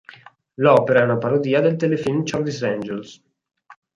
L'opera è una parodia del telefilm "Charlie's Angels.